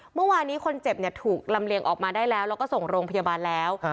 เมื่อวานนี้คนเจ็บถูกลำเลียงออกมาได้แล้วแล้วก็ส่งโรงพยาบาลแล้ว